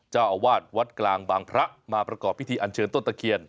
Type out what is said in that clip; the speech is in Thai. เจ้าอาวาสวัดกลางบางพระมาประกอบพิธีอันเชิญต้นตะเคียน